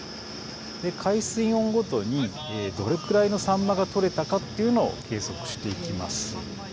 海水温ごとにどれくらいのサンマが取れたかというのを計測していきます。